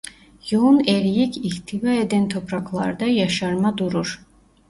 Yoğun eriyik ihtiva eden topraklarda yaşarma durur.